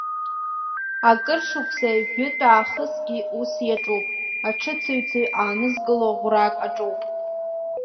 Акыр шықәса, жәытә аахысгьы ус иаҿуп, аҽы цыҩцыҩ аанызкыло ӷәрак аҿоуп.